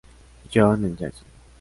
John en Jackson.